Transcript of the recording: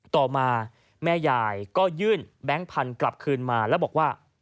ต่อมาแม่ยายก็ยื่นแบงค์พันธุ์กลับคืนมาแล้วบอกว่า